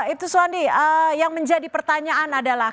ibtu suwandi yang menjadi pertanyaan adalah